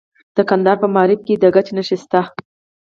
د کندهار په معروف کې د ګچ نښې شته.